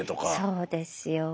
そうですよ。